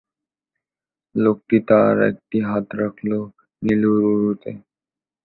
লোকটি তার একটি হাত রাখল নীলুর উরুতে।